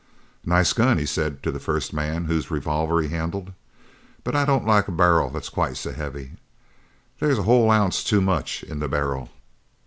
"Nice gun," he said to the first man whose revolver he handled, "but I don't like a barrel that's quite so heavy. There's a whole ounce too much in the barrel."